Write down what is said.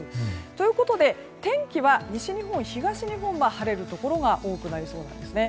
ということで天気は西日本、東日本は晴れるところが多くなりそうなんですね。